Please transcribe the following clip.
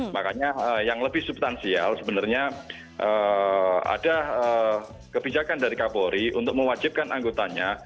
makanya yang lebih substansial sebenarnya ada kebijakan dari kapolri untuk mewajibkan anggotanya